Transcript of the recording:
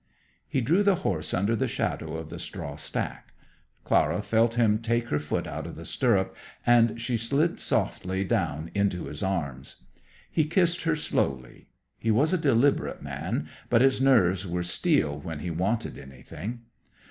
He drew the horse under the shadow of the straw stack. Clara felt him take her foot out of the stirrup, and she slid softly down into his arms. He kissed her slowly. He was a deliberate man, but his nerves were steel when he wanted anything.